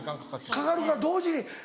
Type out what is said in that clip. かかるから同時に。